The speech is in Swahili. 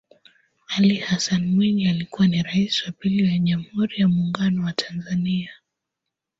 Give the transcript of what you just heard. Ali Hassan Mwinyi alikua ni Rais wa pili wa jamhuri ya muungano wa Tanzania